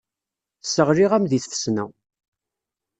Sseɣliɣ-am deg tfesna.